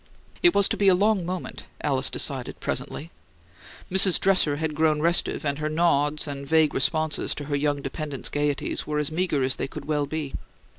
It was to be a long moment, Alice decided, presently. Mrs. Dresser had grown restive; and her nods and vague responses to her young dependent's gaieties were as meager as they could well be.